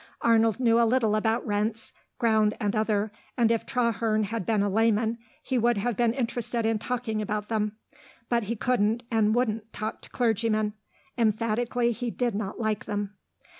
Arnold knew a little about rents, ground and other, and if Traherne had been a layman he would have been interested in talking about them. But he couldn't and wouldn't talk to clergymen; emphatically, he did not like them.